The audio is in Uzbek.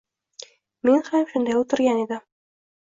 Men ham shunday o’tirgan edim.